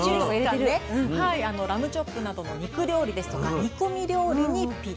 ラムチョップなどの肉料理ですとか煮込み料理にぴったり。